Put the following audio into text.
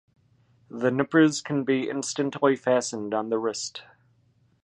The nippers can be instantly fastened on the wrist.